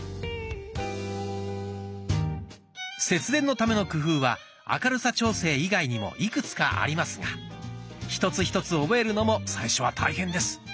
節電のための工夫は明るさ調整以外にもいくつかありますが一つ一つ覚えるのも最初は大変です。